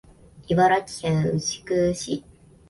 茨城県牛久市